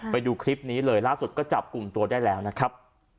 ไปดูคลิปนี้เลยล่าสุดก็จับกลุ่มตัวได้แล้วนะครับ